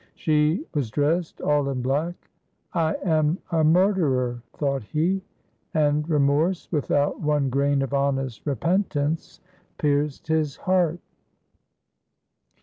She was dressed all in black. "I am a murderer!" thought he. And remorse without one grain of honest repentance pierced his heart.